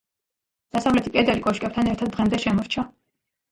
დასავლეთი კედელი კოშკებთან ერთად დღემდე შემორჩა.